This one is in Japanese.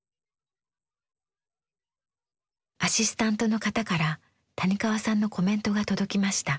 アシスタントの方から谷川さんのコメントが届きました。